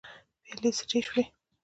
پيالې سړې شوې.